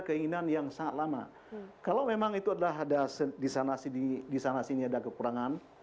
keinginan yang sangat lama kalau memang itu adalah ada di sana sini ada kekurangan